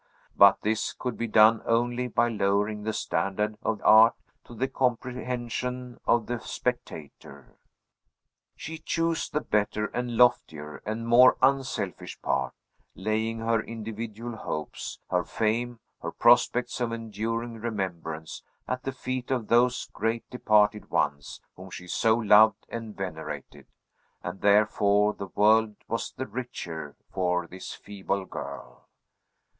But this could be done only by lowering the standard of art to the comprehension of the spectator. She chose the better and loftier and more unselfish part, laying her individual hopes, her fame, her prospects of enduring remembrance, at the feet of those great departed ones whom she so loved and venerated; and therefore the world was the richer for this feeble girl.